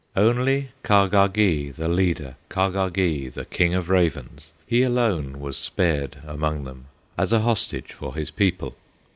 Only Kahgahgee, the leader, Kahgahgee, the King of Ravens, He alone was spared among them As a hostage for his people.